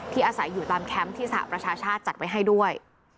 อาศัยอยู่ตามแคมป์ที่สหประชาชาติจัดไว้ให้ด้วย